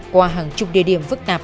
qua hàng chục địa điểm phức tạp